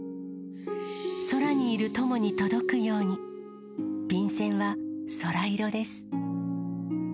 空にいるトモに届くように、便箋は空色です。